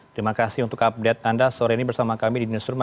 terima kasih untuk update anda sore ini bersama kami di newsroom